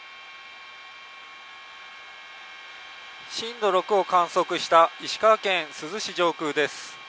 震度６を観測した石川県珠洲市上空です。